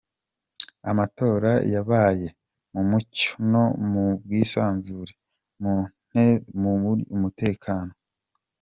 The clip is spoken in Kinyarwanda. Amatora yabaye mu mucyo no mu bwisanzure, mu ituze no mu mutekano.